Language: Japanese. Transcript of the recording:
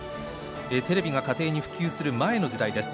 テレビが家庭に普及する前の時代。